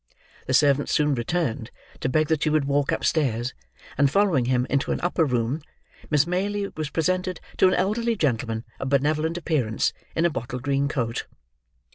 The servant soon returned, to beg that she would walk upstairs; and following him into an upper room, Miss Maylie was presented to an elderly gentleman of benevolent appearance, in a bottle green coat.